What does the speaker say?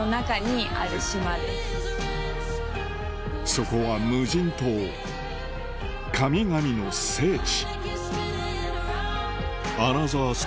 そこは無人島神々の聖地